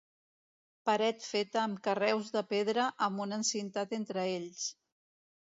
Paret feta amb carreus de pedra amb un encintat entre ells.